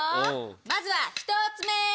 まずは１つ目。